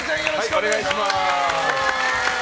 お願いします。